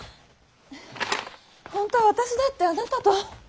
ほんとは私だってあなたと。